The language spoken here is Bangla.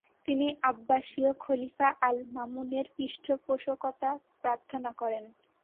তিনি আব্বাসীয় খলিফা আল-মামুনের পৃষ্ঠপোষকতা প্রার্থনা করেন।